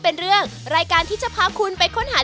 เปิดมากี่ปีแล้วครับ